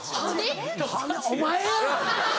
お前や！